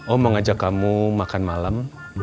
om mau ngajak kamu makan malam